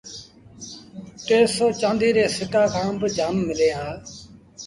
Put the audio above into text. ٽي سئو چآنديٚ ري سِڪآݩ کآݩ با جآم ملينٚ هآ